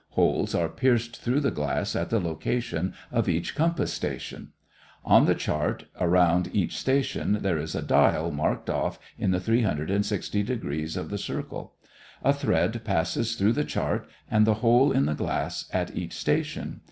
Holes are pierced through the glass at the location of each compass station. See Fig. 12. On the chart, around each station, there is a dial marked off in the 360 degrees of the circle. A thread passes through the chart and the hole in the glass at each station.